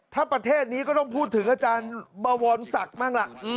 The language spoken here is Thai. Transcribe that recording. ถ้าประเทศนี้ก็ต้องพูดถึงอาจารย์บวรศักดิ์บ้างล่ะ